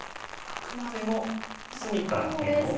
あくまでも隅から辺を。